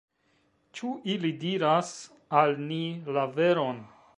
Ĉu ili diras al ni la veron?